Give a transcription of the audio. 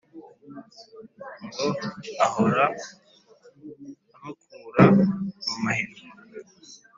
ngo ahora abakura mu mahina